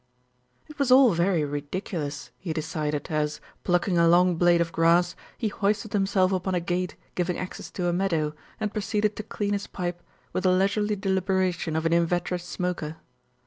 It was all very ridiculous, he decided as, plucking a long blade of grass, he hoisted himself upon a gate giving access to a meadow, and proceeded to clean his pipe with the leisurely deliberation of an inveterate smoker.